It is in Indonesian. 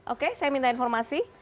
oke saya minta informasi